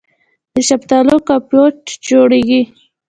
د شفتالو کمپوټ جوړیږي.